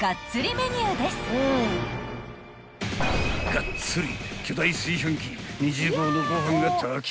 ［がっつり］